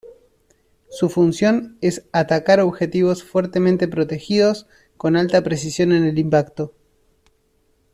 Su función es atacar objetivos fuertemente protegidos con alta precisión en el impacto.